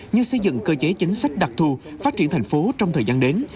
như xây dựng cơ chế chính sách đặc thù phát triển thành phố trong thời gian đến